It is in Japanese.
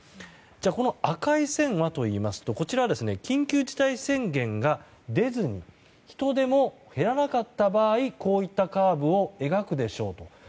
この赤い線はというとこちらは緊急事態宣言が出ずに人出も減らなかった場合こういったカーブを描くでしょうと。